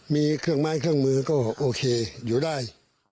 มีเครื่องไม้เครื่องมือก็โอเคอยู่ได้